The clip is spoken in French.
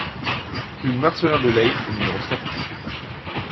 Rue Marcelin Delaye au numéro sept